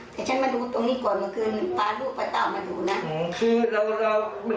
แต่ฉันมาดูตรงนี้ก่อนเมื่อคืนพาลูกป้าต้ามาดูนะ